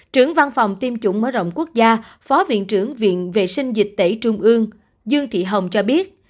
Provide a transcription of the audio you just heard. trưởng văn phòng tiêm chủng mở rộng quốc gia phó viện trưởng viện vệ sinh dịch tễ trung ương dương thị hồng cho biết